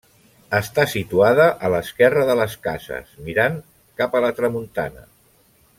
Està situada a l'esquerra de les cases mirant cap a la tramuntana.